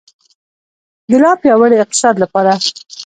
د لا پیاوړي اقتصاد لپاره.